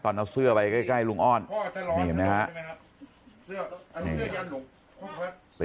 เอาเสื้อไปใกล้ลุงอ้อนนี่เห็นไหมครับ